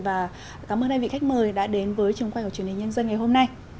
và cảm ơn hai vị khách mời đã đến với trường quay của truyền hình nhân dân ngày hôm nay